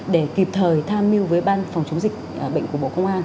để kịp thời tham mưu với ban phòng chống dịch bệnh của bộ công an